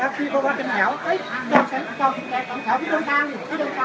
โหลดแอพพลิเคชันจริงค่ะ